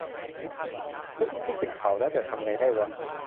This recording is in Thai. กูก็คิดถึงเขานะ แต่ทำไงได้วะ